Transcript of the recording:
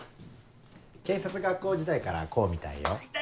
警察学校時代からこうみたいよ。